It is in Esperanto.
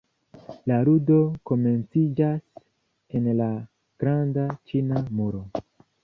La ludo komenciĝas en la Granda Ĉina Muro.